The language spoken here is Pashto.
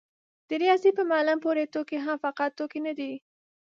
د رياضي په معلم پورې ټوکې هم فقط ټوکې نه دي.